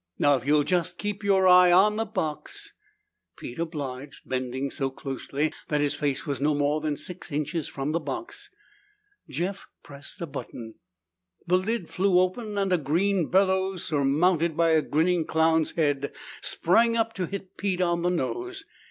Now if you'll just keep your eye on the box " Pete obliged, bending so closely that his face was no more than six inches from the box. Jeff pressed a button. The lid flew open and a green bellows surmounted by a grinning clown's head sprang up to hit Pete on the nose.